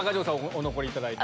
お残りいただいて。